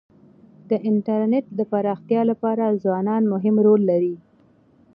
د انټرنيټ د پراختیا لپاره ځوانان مهم رول لري.